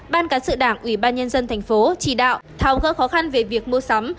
ban cán sự đảng ủy ban nhân dân thành phố chỉ đạo thao gỡ khó khăn về việc mua sắm